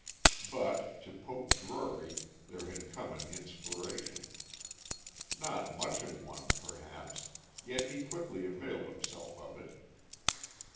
But to Poke Drury there had come an inspiration. Not much of one, perhaps, yet he quickly availed himself of it.